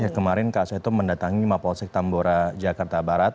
ya kemarin kak seto mendatangi mapolsek tambora jakarta barat